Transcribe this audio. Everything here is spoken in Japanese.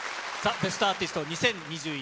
『ベストアーティスト２０２１』。